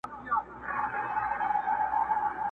له نظمونو یم بېزاره له دېوانه یمه ستړی!.